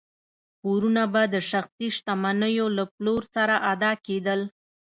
پورونه به د شخصي شتمنیو له پلور سره ادا کېدل.